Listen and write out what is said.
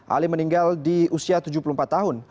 ali meninggal di usia tujuh puluh empat tahun